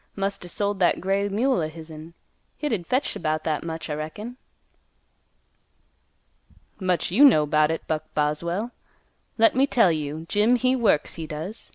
Must er sold that gray mule o' hisn; hit'd fetch 'bout that much, I reckon." "Much you know 'bout it, Buck Boswell. Let me tell you, Jim he works, he does.